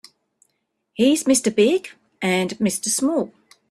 He's Mr. Big and Mr. Small.